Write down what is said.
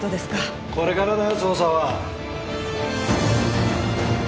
これからだよ捜査は。